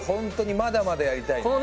まだまだやりたいね。